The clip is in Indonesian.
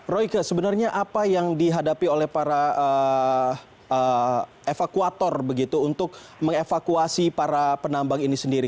royke sebenarnya apa yang dihadapi oleh para evakuator begitu untuk mengevakuasi para penambang ini sendiri